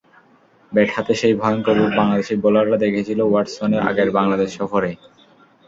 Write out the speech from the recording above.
Bat হাতে সেই ভয়ংকর রূপ বাংলাদেশি বোলাররা দেখেছিল ওয়াটসনের আগের বাংলাদেশ সফরেই।